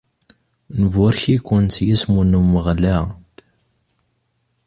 Nburek-iken s yisem n Umeɣlal!